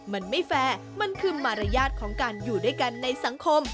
มันไม่แฟร์มันคือมารยาทของการอยู่ด้วยกันในสังคม